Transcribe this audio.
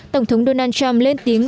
tổng thống donald trump lên tiếng